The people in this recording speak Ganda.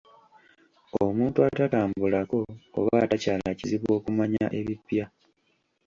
Omuntu atatambulako oba atakyala kizibu okumanya ebipya.